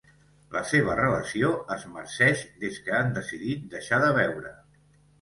La seva relació es marceix des que han decidit deixar de beure.